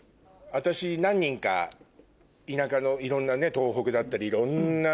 私何人か田舎のいろんな東北だったりいろんな。